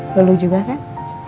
belu juga kan